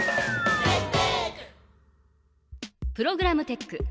プログラムテック。